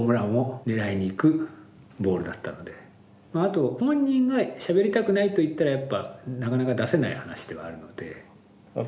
あと本人がしゃべりたくないと言ったらやっぱなかなか出せない話ではあるので。